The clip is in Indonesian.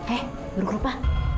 eh burung rupa